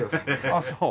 あっそう。